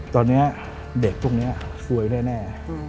ตอนนี้เด็กพวกนี้ซวยแน่